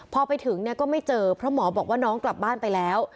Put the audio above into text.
พอไปถึงเนี่ยก็ไม่เจอเพราะหมอบอกว่าน้องกลับบ้านไปแล้ว